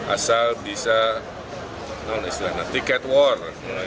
asal bisa tiket war